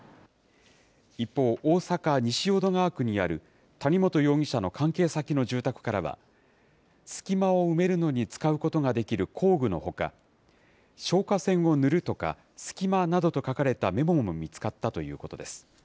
一方、大阪・西淀川区にある谷本容疑者の関係先の住宅からは、隙間を埋めるのに使うことができる工具のほか、消火栓を塗るとか、隙間などと書かれたメモも見つかったということです。